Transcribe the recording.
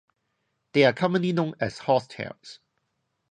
They are commonly known as horsetails.